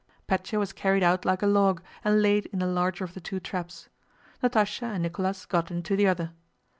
Pétya was carried out like a log and laid in the larger of the two traps. Natásha and Nicholas got into the other.